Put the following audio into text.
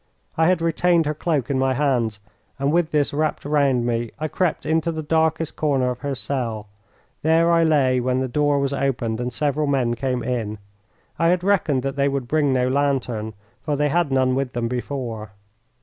I had retained her cloak in my hands, and with this wrapped round me I crept into the darkest corner of her cell. There I lay when the door was opened and several men came in. I had reckoned that they would bring no lantern, for they had none with them before.